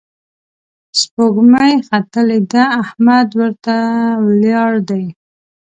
سپوږمۍ ختلې ده، احمد ورته ولياړ دی